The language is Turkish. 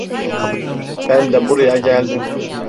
Ben de buraya geldim.